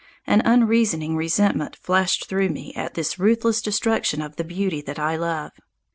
An unreasoning resentment flashed through me at this ruthless destruction of the beauty that I love.